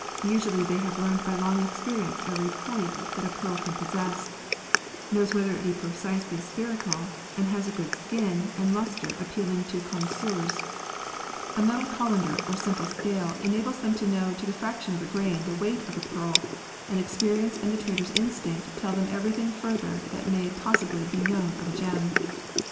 Usually they have learned by long experience every "point" that a pearl can possess, knows whether it be precisely spherical, and has a good "skin" and a lustre appealing to vi] A CEYLON PEARL FISHERY 79 connoisseurs. A metal colander or simple scale enables them to know to the fraction of a grain the weight of a pearl, and experience and the trader's instinct tell them everything further that may pos sibly be known of a gern.